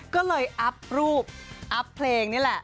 ก็เลยอัพรูปอัพเพลงนี่แหละ